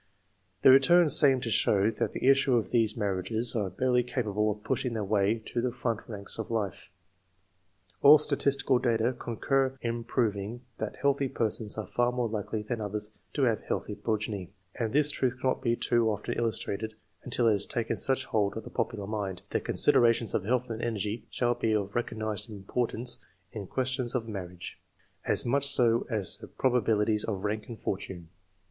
The returns seem to show that the issue, of these marriages are barely capable of pushing their way to the front ranks of life. All statistical data concur in prov ing that healthy persons are far more likely than others to have healthy progeny; and this truth cannot be too often illustrated, until it has taken such hold of the popular mind, that considerations of health and energy shall be of recognized importance in questions of marriage, as much so as the probabilities of rank and fortune.